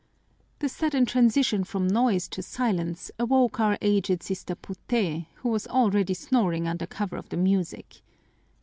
The sudden transition from noise to silence awoke our aged Sister Puté, who was already snoring under cover of the music.